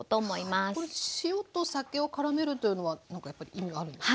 この塩と酒をからめるというのは何かやっぱり意味があるんですか？